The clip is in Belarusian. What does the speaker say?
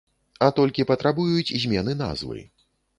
А толькі патрабуюць змены назвы.